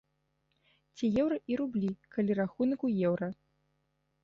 Ці еўра і рублі, калі рахунак у еўра.